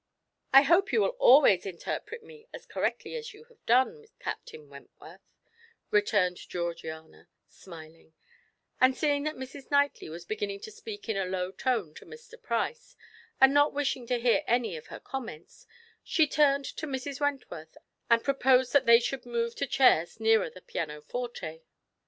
"I hope you will always interpret me as correctly as you have done, Captain Wentworth," returned Georgiana, smiling; and seeing that Mrs. Knightley was beginning to speak in a low tone to Mr. Price, and not wishing to hear any of her comments, she turned to Mrs. Wentworth and proposed that they should move to chairs nearer the pianoforte.